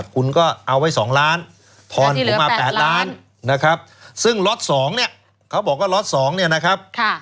คุณก็เอาไว้๒ล้านทอนมา๘ล้านซึ่งล็อต๒เนี่ยเขาบอกว่าล็อต๒นะครับ